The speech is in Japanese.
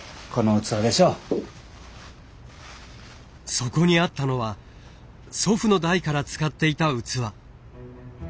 そこにあったのは祖父の代から使っていた器。